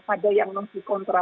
ada yang non contra